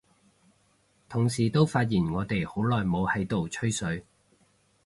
同時都發現我哋好耐冇喺度吹水，